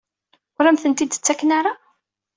Ur am-ten-id-ttaken ara?